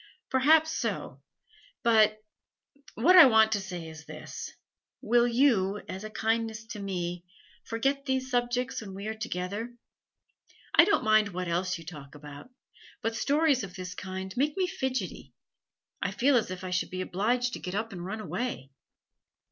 'Perhaps so, but What I want to say is this. Will you, as a kindness to me, forget these subjects when we are together? I don't mind what else you talk about, but stories of this kind make me fidgety; I feel as if I should be obliged to get up and run away.'